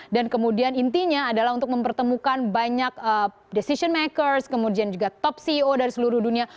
dan kemudian intinya adalah untuk mempertemukan banyak decision makers kemudian juga top ceo dari seluruh dunia